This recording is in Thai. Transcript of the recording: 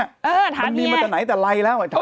เออถามเนี่ยมันมีมาจากไหนแต่ไล่แล้ว